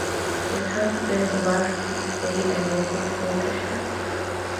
This has been left to state and local school districts.